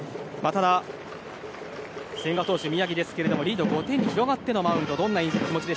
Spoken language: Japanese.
ただ千賀投手、宮城ですけどリードが５点に広がってのマウンド。